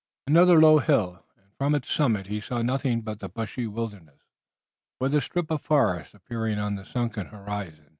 Another low hill and from its summit he saw nothing but the bushy wilderness, with a strip of forest appearing on the sunken horizon.